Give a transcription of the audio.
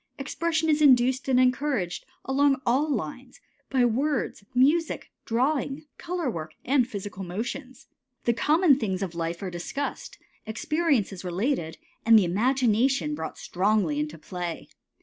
Expression is induced and encouraged along all lines, by words, music, drawing, color work, and physical motions. The common things of life are discussed, experiences related, and the imagination brought strongly into play.